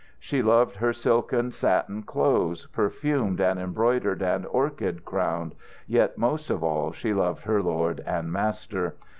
She loved her silken, satin clothes, perfumed and embroidered and orchid crowned, yet most of all she loved her lord and master.